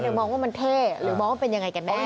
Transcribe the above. มองว่ามันเท่หรือมองว่าเป็นยังไงกันแน่